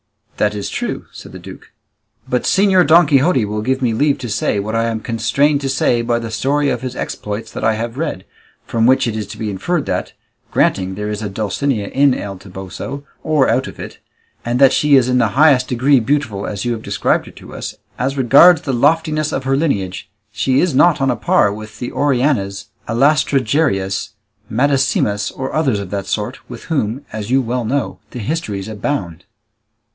"That is true," said the duke; "but Señor Don Quixote will give me leave to say what I am constrained to say by the story of his exploits that I have read, from which it is to be inferred that, granting there is a Dulcinea in El Toboso, or out of it, and that she is in the highest degree beautiful as you have described her to us, as regards the loftiness of her lineage she is not on a par with the Orianas, Alastrajareas, Madasimas, or others of that sort, with whom, as you well know, the histories abound."